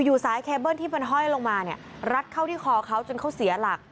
สายเคเบิ้ลที่มันห้อยลงมาเนี่ยรัดเข้าที่คอเขาจนเขาเสียหลัก